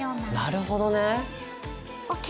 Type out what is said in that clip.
なるほどね！ＯＫ。